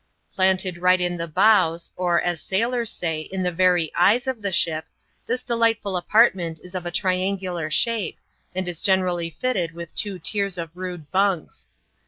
Planted right in the bows, or, as sailors say, in the very eyes of the ship, this delightful apartment is of a triangular shapes and is generally fitted with two tiers of rude bunks.